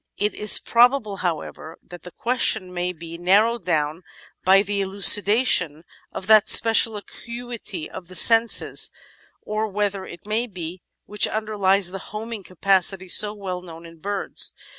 It is probable, however, that the question may be 4S£ The Outline of Science narrowed down by the elucidation of that special acuity of the senses, or whatever it may be, which underlies the "homing" capacity so well known in birds.